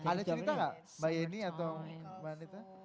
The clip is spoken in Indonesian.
ada cerita nggak mbak yeni atau mbak anita